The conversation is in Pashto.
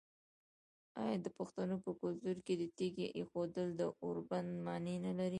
آیا د پښتنو په کلتور کې د تیږې ایښودل د اوربند معنی نلري؟